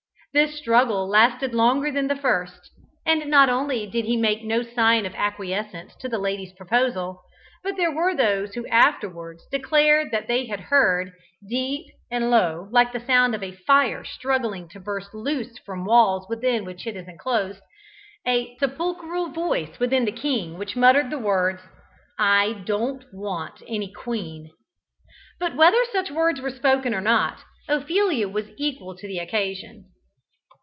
This struggle lasted longer than the first, and not only did he make no sign of acquiescence to the lady's proposal, but there were those who afterwards declared that they heard deep and low like the sound of fire struggling to burst loose from walls within which it is enclosed a sepulchral voice within the king which muttered the words "I don't want any queen." But, whether such words were spoken or not, Ophelia was equal to the occasion.